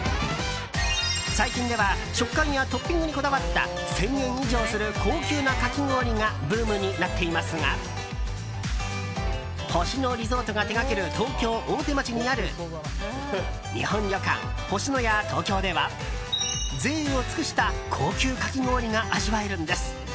最近では食感やトッピングにこだわった１０００円以上する高級なかき氷がブームになっていますが星野リゾートが手掛ける東京・大手町にある日本旅館星のや東京ではぜいを尽くした高級かき氷が味わえるんです。